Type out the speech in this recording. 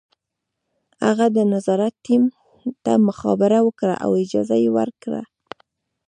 هغه د نظارت ټیم ته مخابره وکړه او اجازه یې ورکړه